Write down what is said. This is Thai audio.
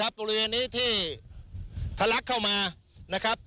บริเวณนี้ที่ทะลักเข้ามา